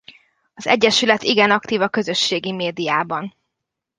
Az egyesület igen aktív a közösségi médiában.